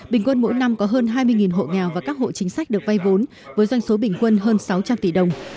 bình quân mỗi năm có hơn hai mươi hộ nghèo và các hộ chính sách được vay vốn với doanh số bình quân hơn sáu trăm linh tỷ đồng